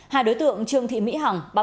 hai đối tượng trương thị mỹ hằng